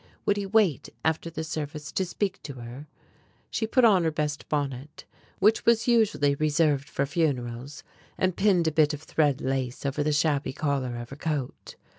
Would he wait after the service to speak to her? She put on her best bonnet, which was usually reserved for funerals, and pinned a bit of thread lace over the shabby collar of her coat.